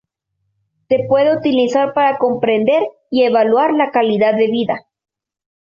Se puede utilizar para comprender y evaluar la calidad de vida.